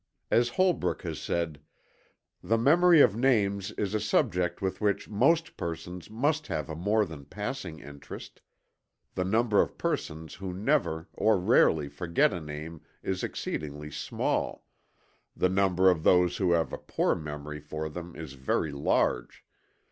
As Holbrook has said: "The memory of names is a subject with which most persons must have a more than passing interest.... The number of persons who never or rarely forget a name is exceedingly small, the number of those who have a poor memory for them is very large.